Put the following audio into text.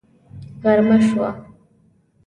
غرمه شوه